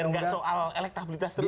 biar nggak soal elektabilitas terus